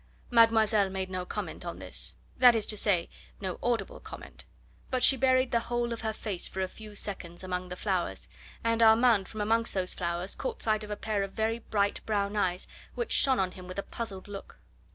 Mademoiselle made no comment on this that is to say, no audible comment but she buried the whole of her face for a few seconds among the flowers, and Armand from amongst those flowers caught sight of a pair of very bright brown eyes which shone on him with a puzzled look.